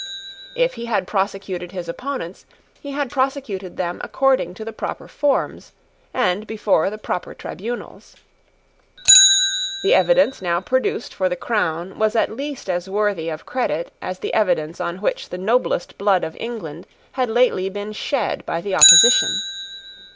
If he had prosecuted his opponents, he had prosecuted them according to the proper forms, and before the proper tribunals. The evidence now produced for the crown was at least as worthy of credit as the evidence on which the noblest blood of England had lately been shed by the opposition.